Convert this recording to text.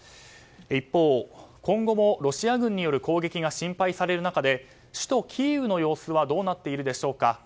一方、今後もロシア軍による攻撃が心配される中で首都キーウの様子はどうなっているでしょうか。